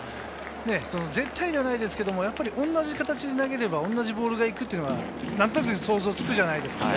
絶対じゃないですけど、同じ形で投げると、同じボールが行くというのが何となく想像つくじゃないですか。